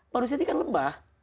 manusia ini kan lemah